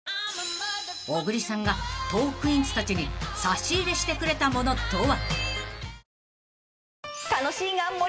［小栗さんがトークィーンズたちに差し入れしてくれたものとは］